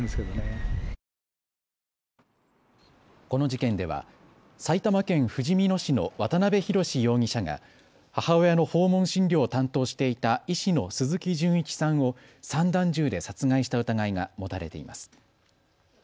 この事件では埼玉県ふじみ野市の渡邊宏容疑者が母親の訪問診療を担当していた医師の鈴木純一さんを散弾銃で殺害した疑いが持たれています。